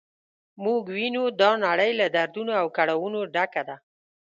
موږ وینو دا نړۍ له دردونو او کړاوونو ډکه ده.